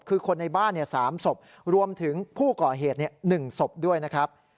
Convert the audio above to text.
คือคนในบ้าน๓ศพรวมถึงผู้ก่อเหตุ๑ศพด้วยนะครับ